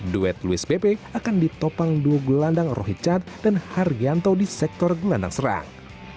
duet luis pepe akan ditopang duo gelandang rohit chad dan hargianto di sektor gelandang serang